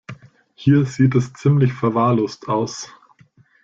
Hier sieht es ziemlich verwahrlost aus.